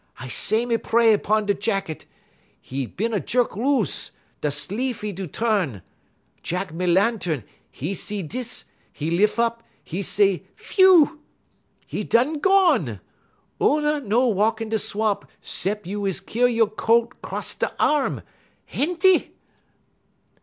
I say me pray 'pon da' jacket; 'e is bin a yerk loose; da' sleef 'e do tu'n. Jack me Lantun, 'e see dis, 'e lif' up, 'e say 'Phew!' 'E done gone! Oona no walk in da' swamp 'cep' you is keer you' coat 'cross da' arm. Enty!"